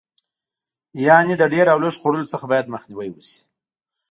یعنې له ډېر او لږ خوړلو څخه باید مخنیوی وشي.